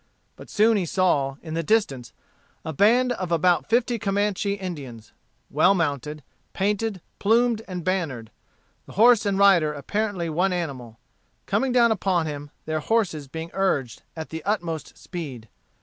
But soon he saw, in the distance, a band of about fifty Comanche Indians, well mounted, painted, plumed, and bannered, the horse and rider apparently one animal, coming down upon him, their horses being urged to the utmost speed.